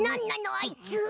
あいつ！